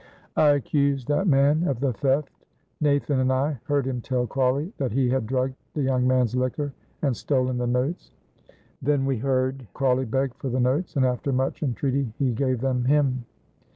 "I accuse that man of the theft. Nathan and I heard him tell Crawley that he had drugged the young man's liquor and stolen the notes. Then we heard Crawley beg for the notes, and after much entreaty he gave them him."